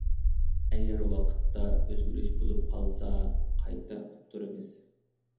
ئەگەر ۋاقىتتا ئۆزگىرىش بولۇپ قالسا قايتا ئۇقتۇرىمىز.